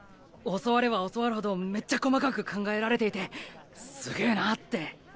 教われば教わるほどめっちゃ細かく考えられていてすげぇなって。